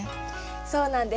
そうなんです。